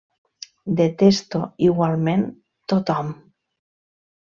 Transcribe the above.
Detesto igualment tothom.